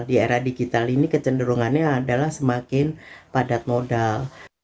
di era digital ini kecenderungannya adalah semakin padat modal